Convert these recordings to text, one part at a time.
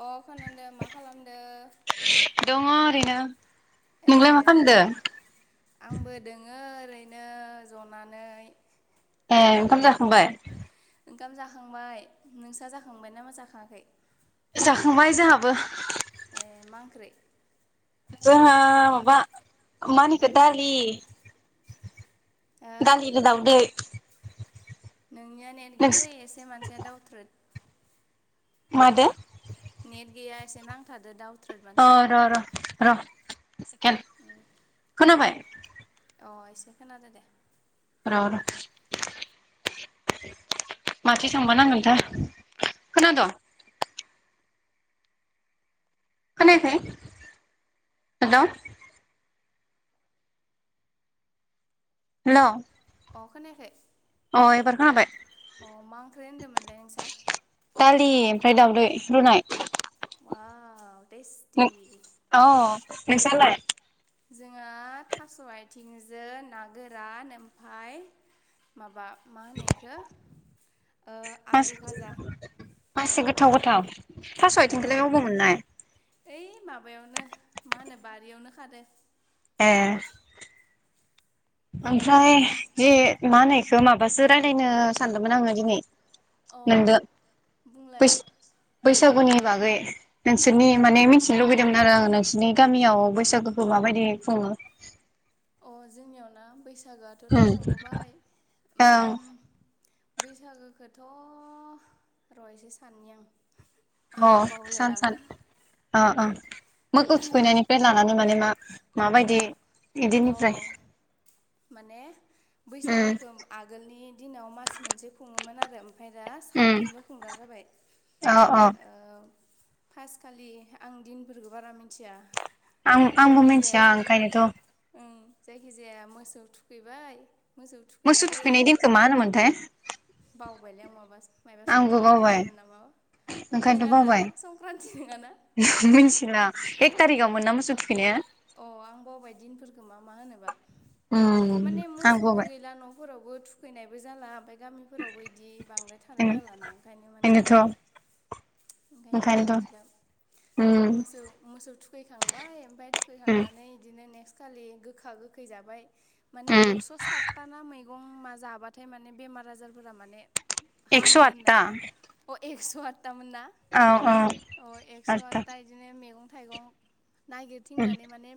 अ खोनादो मा खालामदों? दङ ओरैनो ए नोंलाय मा खालामदो आंबो दोङो ओरैनो जनानै ए ओंखाम जाखांबाय? ओंखाम जाखांबाय नोंसा जाखांबाय ना मा जाखाङाखै जाखांबाय जोंहाबो ए मा ओंख्रि? जोंहा माबा मानिखौ दालि हो दालिदो दावदै नोंनिया नोंस नेेरगलै एसे मानसिया दावथ्रोद। मा दो? नेट गैया एसे नांथादो दाव अ र र र सेक खोनाबाय? अ एसे खोनादो दे। र र माथि थांबा नांगोनथाय खोनादों खोनायाखै हेलौ। हेलौ। अ खोनायाखै। अ एबार खोनाबाय अ मा ओंख्रि होनदोंमोनलाय नोंसा दालि। ओमफाय दावउदै रुनाय। अवाव। बेस्टि। नों अ नोंसालाय? जोंहा थास आथिंजों ना गोरान ओमफाय माबा। मा होनो यखो ओ मास आलु भाजा। मासे गोथाव गोथाव। थास' अ आथिंखौलाय अबाव मोननाय ओइ माबायावनो मा होनो। बारियावनो खादो। ए। ओमफ्राय बे मा होनोयखो माबासो रायज्लायनो सानदोंमोन आङो दिनै। अ नोंदो बुंलाय बै अ बैसागुनि। बागै नोंसोरनि माने मिथिनो लुुबैदोंमोन आरो आङो नोंसोरनि गामियाव बैसागुखौ माबायदि खुङो। अ जोंनियाव ना बैस बैसागोआथ दा थांबावबाय उम बैसागोखोथ र एसे साननि आं। अ सान बावलायलाङो सान अ अ। मोखौ थुखैनायनिफ्राय लानानै माने मा माबायदि। अ इदिनिफ्राय माने उम बैसागोखौ आगोलनि दिनाव मास मोनसे खुङोमोन। आरोम ओमफ्राय दा उम सातदिनल खुंग्रा जाबाय अ अ ओ। फासखालि आं दिनफोरखौ बारा मिथिया। आं आंबो मिथिया ओंखायनोथ। उम जायखिजाया मोसौ थुखैबाय। मोसौ थुखैनाय जायो दिनखौ मा होनोमोनथाय बावबायलाव माबा माबा आंबो संक्रान्ति बावबाय होनोमोन नामा ओंखायनोथ' नोङा बावबाय नाना संक्रान्ति नङाना। सुफिनाया। अ आं बावबाय दिनफोरखौ मा मा होनोबा। उम आंबावबाय। फोरावबो थुखैनायबो जाला ओमफाय। गामिफोरावबो इदि बांद्राय थानाय जालाना ओंखायनो माने बेनोथ' ओंखायनो बारा ओंखायनोथ' मिथिला उम मोसौ मोसौ थु। फैखांबाय ओमफाय। उम फैखांनानै इदिनो नेक्स्ट। खालि गोखा गोखै जाबाय। माने उम एकस सातथा ना मै गं मा जाबाथाय माने बेमार आजारफोरा माने एकस' हामो आतथा होनानै अ एक्स [unintelligible] थामोन ना औ औ अ एकस आतथा आठथा इदिनो मैं था थाइगं नाय उम थिंनानै माने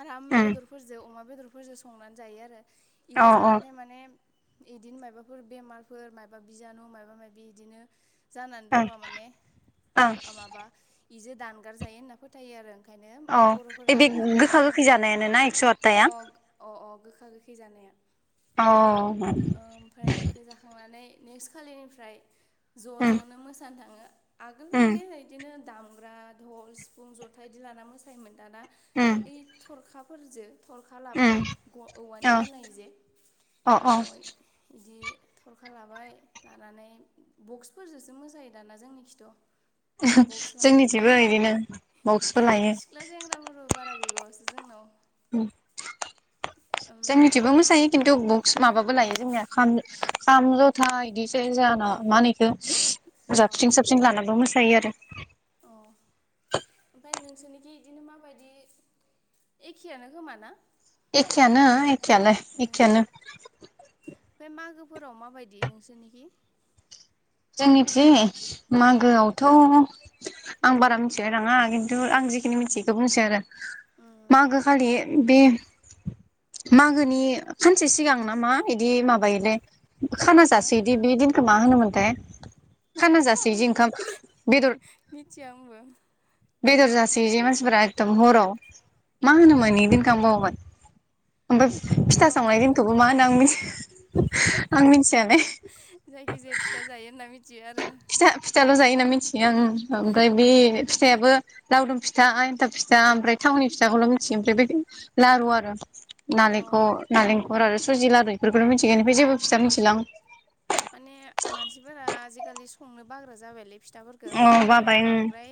आराम उम बेदरफोरजों अमा बेदरफोरजों संनानै जायो आरो अ इखो अ ओं जाबाथाय माने इदिनो मायबाफोर बेमारफोर मायबा बिजानु मायबा इदिनो जानानै दंबा माने ओं माबा इजो दानगार जायो होनना फोथायो आरो ओंखायनो औ बर'फोरा बे माने गोखा बैसागो गोखै जानायानो ना एकस अ आतथाया? अ अ गोखा गोखै जानाया ओमफ्राय बेखौ जाखांनानै औ नेक्स्ट खालिनिफ्राय ज ज नो मोसानो थाङो आगोल माने इदिनो दाम ग्रा धल सिफुं जथा इदि लाना मोसा योमोन। दाना उम उम ओइ थरखा फोरजो थरखा लाबाय औवानि औ बानायो जे अ अ अय इदि। थरखा लाबाय लानानै बक्सफोरजोंसो मोजायो दाना जोंनि खिथ जोंनिथिंबो बिदिनो बक्सफोर लायो। सिख्ला सेंग्राफोर बारा गैबावासो जोंनाव ओम जोंनिथिबो मोसायो खिन्थु बक्स माबा लायो जोंनिया खाम-खाम जथा इदि सेरजा मा होनो बेखौ अ जाबस्रिं साबस्रिं लानाबो मोसा थायो आरो। अ ओमफ्राय नोंसोरनिखि बिदिनो माबायदि एखेयानो खोमाना एखेआनो एखेआलाय एखेआनो ओमफ्राय फोराव माबायदि नोंसोरनिखि जोंनिथिं उम मागोआवथ आं बारा मिथिलाय लाङा खिन्थु आं जे जोंनि मिथियैखौ बुंसै आरो उम मागो खालि बे मागोनि सानसे सिगां नामा इदि माबायोलै खाना हो जासोयोदि बे दिनखौ मा होनोमोनथाय खाना आं जासोयोजि ओंखाम बेदर मिथिया आंबो बेदर जासेयोजे मानसिफोरा एखदम हराव मा होनोमोन इदिनखौ आंबावबाय ओमफ्राय फिथा सावनाय दिनखौबो बावजोब्बायलै मा होनो आं आं मिथिया दै जायखिजाया फिथा जायो होनना मिथियो आरो औ फिथा फिथाल जायोना मिथियो आं ओमफ्राय बे फिथाइाबो लावदुम फिथा था एथाब फिथा ओमफ्राय थाउनि फिथाखौल मिथियो ओमफ्राय बौ लारु आरो औ नारेंखर उम नालेंखर आरो सुजि लारु बेफोरखौनो मिथिगोन ओमफ्राय जेबो फिसा मिथिलां माने मानसिफोरा आजिखालि संनो बाग्रा जाबायलै। फिथाफोरखौ आं अ ओंखायनो माने बाबाय बांद्राय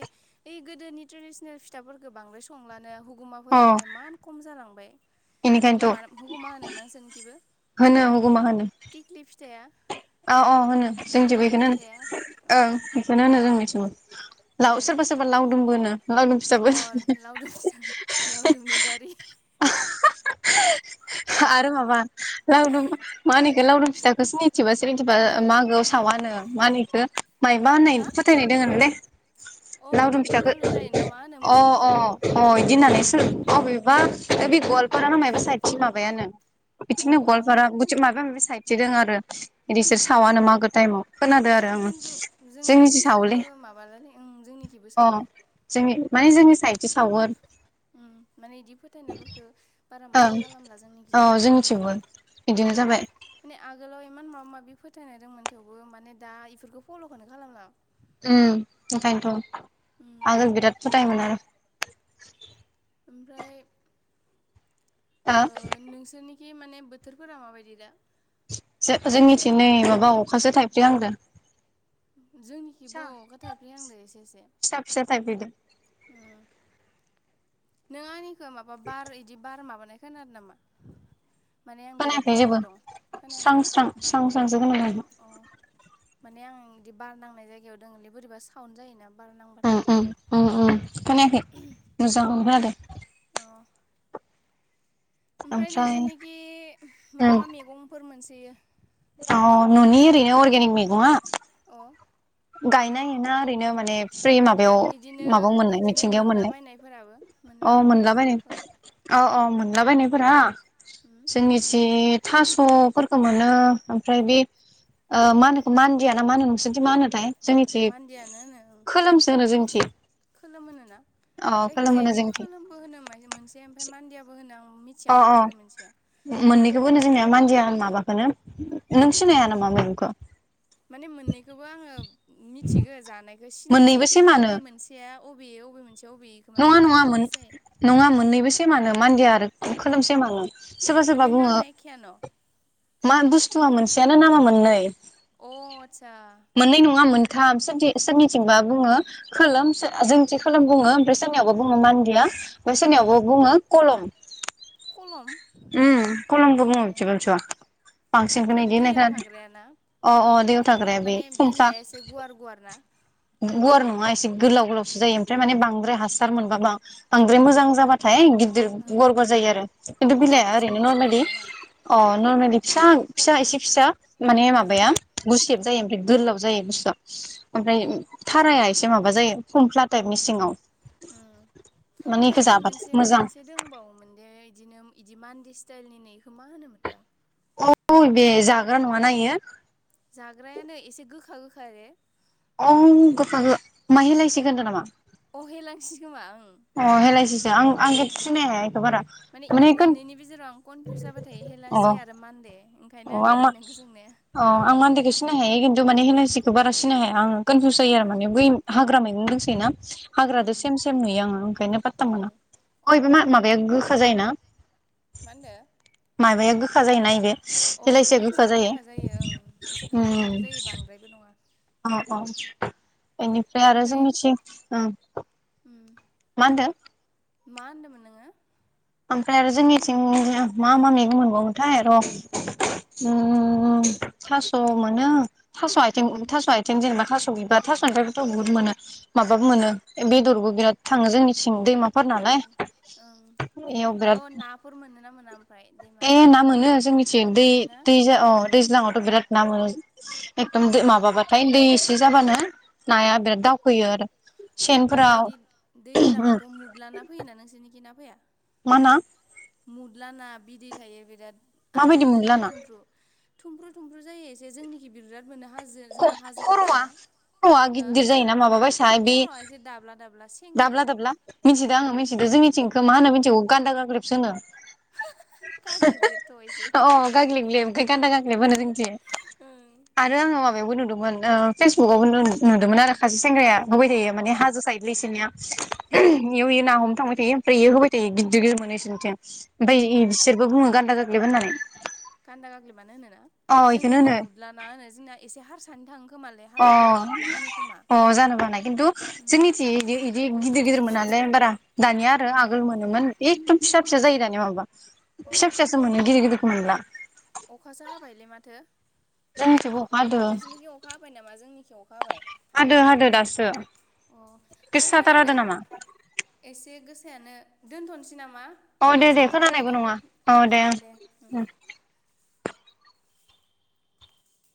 ओइ गोदोनि ट्रेडिसनेल फिथाफोरखौ बांद्राय संलानो हु ओं गुमाफोराबो अ इमान खम जालांबाय। हगुमा बेनिखायनोथ' हुगुमा होनोना जोंखिबो होनो थिख्लि फिथाया औ अ होनो जोंथिबो बेखौनो होनो अ औ ओ बेखौनो होनो जोंनिथिंबो लाव उम सोरबा सोरबा लावदुमबो होनो लावदुम अ फिथाबो लावदुम फिथा लावदुमनि दारि [unintelligible] [unintelligible] आरो माबा लावदुम मा होनो एखो लावदुम फिथाखौ सिनिथिबा सिनिथिबा मागोआव सावानो मा होनो एखौ माइबा होननाय हो फोथायनाय दोङो नोलै अ माबा लावदुम फिथाखौ दुमालु जायोना मा होनो अ मोसौनि अ अ इदि होननानै सोर अबेबा बि गवाल मायबा साइथिं माबायानो बिथिंनो अ ओं गल्फारा बिथि मायबा मायबि साइद थिदों आरो बिदिसोर सावानो उम मागो टायेमाव खोनादों आरो आङो खिन्थु जोंना जोंनि इदि जि सावोलै जेबो माबालानो ओं जोंनिखिबो अ सावो जोंनि माने जोंनि [unintelligible] सावो आरो उ माने बिदि फोथायनायफोरखो बारा माबा ओं खालामला औ जोंनिखिजाय जोंनिथिंबो बिदिनो जाबाय माने आगोलाव इमान माबा माबि फोथायनाय दंमोन थेवबो माने दा इफोरखौ फलखौनो खालामला उम ओंखायनोथ उम आगोल बिराद फोथायोमोन आरो ओमफ्राय हा ओ नोंसोरनि खि माने बोथोरफोरा माबायदि दा जो जोंनिथिं नै माबा अखासो थायफ्रि हांदों जोंनिखिबो अखा थायफ्रि हांदो एसे एसे फिसा फिसा थाइफ्रिदों नोंङानि खो माबा बार इदि बार माबा नायखोनादो नामा माने आं बिराद खोनायाखै बाराव जेबो दं स्रां खोनायाखैना स्रां स्रां स्रां [unintelligible] अ माने आं बिदि बार नांनाय जायगायाव दङोललै बोरैबा साउन्ड जायो ना उम उम उम उम खोनाखै मोजां खोनादो अ ओमफ्राय नोंसोरनोखि मा मा मैगंफोर मोनसे सोयो औ ननि ओरैनो अरगिनीक मैगङा औ गायनाय ना ओरैनो माने फ्रि माबायाव इदिनो माबायाव मोननाय इदिनो मिथिंगायाव मोननाय मोनलाबायनायफोराबो औ मोनलाबायनाया मोनलाबायनाय हाग्राफोराव अ औ मोन नआव बानायफोरा उम जोंनिथिं थासफोरखौ मोनो ओमफ्राय बे ओ मा होनोखौ मानदियाना मा होनो नोंसोरनिथि माहोनो अ मान्दियानो होनो औ होनो जोंनिथिं खोलोम होन ना अ खोलोम जायखिजाया होनो बिदिनो जोंनिथिं खोलोमबो होनो म मोनसे ओमफ्राय मान्दियाबो होनो आं मिथि अ अ मोननैखौबो होनो जोंनिया मानदिया माबा मानो नों उम सिनाया नामा मैगंखौ माने मोननैखौबो आङो मिथिगो जानाय बे सिनाय हायो मोननैबो खिन्थु सेमानो अबे मोनसेया अ बियो मोनस नङा नङा मोन नङा मोननैबो सेमानो मानदिया आरो खोलोम सेमानो सोरबा सोरबा माने बुङो नामा एखेयानो मा बुस्थुवआ मोनसेयानो नामा मोननै अ आदसा मोननै नंङा मोन थाम सोनथि सोरनिथिंबा बुङो खोलोम जोंथि खोलोम बुङो। सोरनिआवबा ओं बुङो मान्दिया ओमफ्राय उम सोरनिावबो बुङो कलम। खलम अम खलमबो ए बुङो बुथिबा-बुथिबा उम बांसिनखौनो ओइ एदि होननाय दैयाव खोनादो थाग्रायाना अ अ दैयाव थाग्राया बे माने फुमफा बिलाइआ एसे गुवार गुवार ना गुवार न मासे गोलाव-गोलावसो जायो ओमफ्राय माने बांद्राय हासार मोनबा बांद्राय मोजां जाबाथाय गि दिर ओं गुवार-गुवार जायो आरो। अ खिन्थु अ बिलायआ आदसा ओरैनो मिथिबाय नरमेलि दे आङो अ नरमेलि ओं फिसा-फिसा एसे फिसा माने ओं माबाया गुसेब ओं जायो ओमफ्राय गोलाव जा बे बुस्थुआ ओमफाय थाराया एसे माबा जायो फमफला उम टायपनि सिङाव उम माने ओमफ्राय इखो ओइ जाबाथाय मोनसे मोजां। मोनसे दंबावोमोन दे इदिनो इदि मान्दि स्टाइलनि नै इखौ मा होनोमोनबा अ बे जाग्रा नंङाना इयो जाग्रायानो एसे गोखा-गोखा रे अं गोखाखो मा हेलायसिखो होनदो नामा। अहेलांसि खोमा ओं अ हेलायसिसो आं आं ओं सिनायहाया इखो बारा इ माने कोन मोननैनि गेजेराव आं कनफिउस जाबाय थायो अ हेलासि आरो मानदे ओंखायनो अ आं दानि मा नोंखौ सोंनाया अ आं मानदेखो सिनाय हायो खिन्थु माने हेलांसिखौ बारा सिनाय हाया आंङो कनफिउस जायो आरो माने बै हाग्रा मैगं दोंसोयो ना उम हाग्रादो सेम-सेम नुयो आंङो ओंखायनो फाथथा मोना अ इबो मा माबाया गोखा जायो ना। मा होनदो गोखा जायो ना इबो अ ओइ मोनसेया गोखा जायो ओं एसे खाथो-खाथो जायो बांद्रायबो नंङा। औ औ बेनिफ्राय आरो जों ओमफ्राय मिथि ओ उम मा होनदों मा होनदोमोन नोंङो ओमफ्राय आरो जोंनिथिं मा मा मैगं मोनबावोथाय र अम थास' मोनो थास' आथिं ओ थास' आथिं जेनेबा थास'बिबार थास'निफ्रायबोथ बहुद मोनो। माबाबो अ मोनो बेदरबो बिराद थांङो जोंनिथिं दैमा फोर नालाय बेयाव औ बिराद नाफोर मोन नोना मोना ओमफ्राय ए दैमाफोर ना मोनो जोंनिथिं दै मोनोना दैज अ दैज्लांङावथ बिराद नामोनो एकदम दो उम माबाबाथाय दैज बि जाबानो नाया बिराद दावखोयो आरो ओइ सेनफोराव दाबायदि दैज्लाङावथ मुदलाना फैयोना नोंसोरनिखि ना फैया मा ना? मुदलाना बिदै थायो बिराद आराम माबायदि मोनला थुमफ्रु ना थुमफ्रु थुमफ्रु थुमफ्रु जायो एसे जोंनिखि बिराद मोनो हाजो जोंना हाजो खाथि खर'आ ना। खर'आ गिदिर जायोना माबाबायसा बे दाब्ला सेंनि दाब्ला रखम दाब्ला मिथिदो आङो मिथिदो जोंनिथिंखौ मा होनो ओं अ मिथिगौ गान्दा गाग्लेबसो [unintelligible] गाग्लिब ग्लिबथ' एसे अ गाग्लेब ग्लेब ओंखाय गान्दा गाग्लेब होनो जों ए ओं आरो आङो मा वबो नुदोंमोन ओ-फेसबुकावबो नुदोंमोन आरो खासे सेंग्राया होबाय थायो माने अ हाजो साइदलै इसोनिया ओं इयउ यो ना हमनो थांबाय थायो। फ्राय यो होबाय थायो गदिर गदिर मोनो इसोरनिथिं। ओमफ्राय अ इ इ बिसोरबो बुङो गान्दा गाग्लेब होननानै गान्दा गाग्लिबानो होनोना अ इखौनो जोंनिखि होनो मुदला ना होनो जोंना एसे हार सानथां अ अ जानोबो हानाय खिन्थु उम जोंनिथि बि इदि गिदिर गिदिर मोनालोय बारा दानिया आरो उम आगोल मोनोमोन एखदम फिसा फिसा जायो दानिया माबा। अ फिसा फिसासो मोनो गिदिर गिदिरखौ मोनला। थो जोंनिथिंबो अखा हादो नोंसोरनिखि अखा हाबाय नामा जोंनिखि अ हादो हादो दासो। [unintelligible] अ ओइ गोसाथार खोनादो हादो नामा? एसे गोसायानो दोनथनसै। नामा अ दे एसे दे खामानि खोनानायबो दं। नङा औ अ दे ओम। ओं